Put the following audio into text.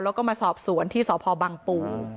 แล้วก็มาสอบสวนที่สพบังปู